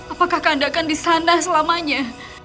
apakah kakanda akan disana selamanya